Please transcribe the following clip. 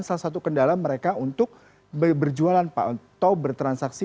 salah satu kendala mereka untuk berjualan pak atau bertransaksi